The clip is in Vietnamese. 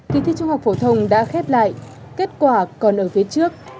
kỳ thi trung học phổ thông đã khép lại kết quả còn ở phía trước